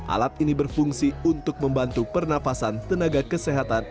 alat ini berfungsi untuk membantu pernafasan tenaga kesehatan